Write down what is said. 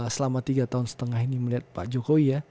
selama tiga tahun setengah ini melihat pak jokowi ya